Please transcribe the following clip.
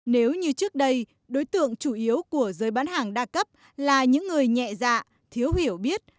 nếu như trước đây đối tượng chủ yếu của giới bán hàng đa cấp là những người nhẹ dạ thiếu hiểu biết